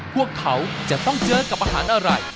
พวกเขาจะต้องเจอกับอาหารอะไร